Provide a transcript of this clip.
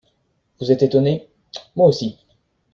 Vous êtes étonnés, moi aussi.